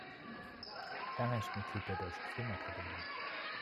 Langer ist Mitglied der Deutschen Filmakademie.